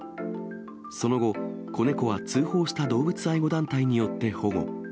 その後、子猫は通報した動物愛護団体によって保護。